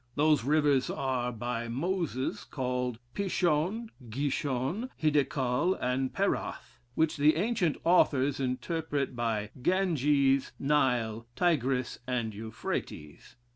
Those rivers are, by Moses, called Pishon, Gishon, Hiddekal, and Perath, which the ancient authors interpret by Ganges, Nile, Tigris, and Euphrates.